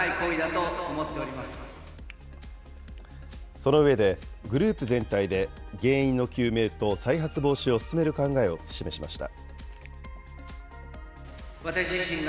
その上で、グループ全体で原因の究明と再発防止を進める考えを示しました。